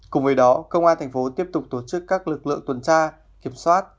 cùng với đó công an thành phố tiếp tục tổ chức các lực lượng tuần tra kiểm soát